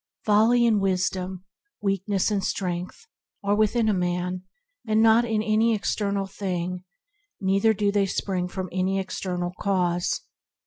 Folly and wisdom, weakness and strength are within a man and not in any external thing, neither do they spring from any external cause.